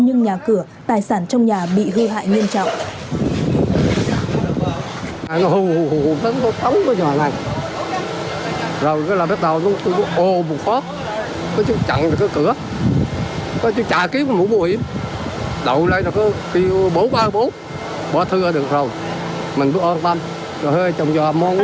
nhưng nhà cửa tài sản trong nhà bị hư hại nghiêm trọng